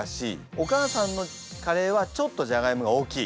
お母さんのカレーはちょっとジャガイモが大きい？